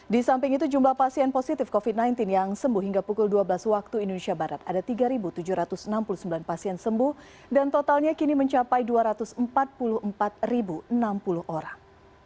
di samping itu jumlah pasien positif covid sembilan belas yang sembuh hingga pukul dua belas waktu indonesia barat ada tiga tujuh ratus enam puluh sembilan pasien sembuh dan totalnya kini mencapai dua ratus empat puluh empat enam puluh orang